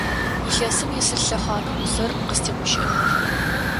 Илъэсым исыд лъэхъана усэр къызтегущыӏэрэр?